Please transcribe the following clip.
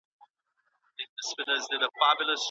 د ماشومانو غاښونه کله راوځي؟